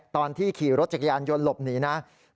ตอนที่ขี่รถจักรยานยนต์หลบหนีนะ